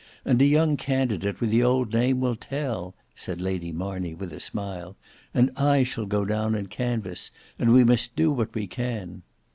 And a young candidate with the old name will tell," said Lady Marney, with a smile: "and I shall go down and canvass, and we must do what we can."